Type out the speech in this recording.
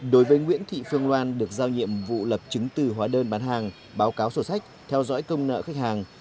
đối với nguyễn thị phương loan được giao nhiệm vụ lập chứng từ hóa đơn bán hàng báo cáo sổ sách theo dõi công nợ khách hàng